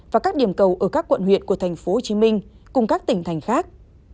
và các điểm cầu ở các quận huyện của tp hcm cùng các tỉnh thành khác